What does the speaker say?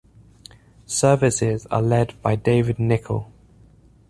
Services are led by David Nicoll.